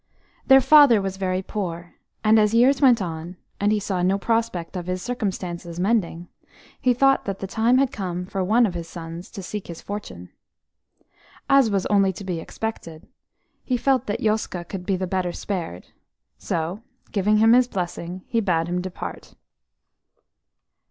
Their father was very poor, and as years went on, and he saw no prospect of his circumstances mending, he thought that the time had come for one of his sons to seek his fortune. As was only to be expected, he felt that Yoska could be the better spared, so, giving him his blessing, he bade him depart.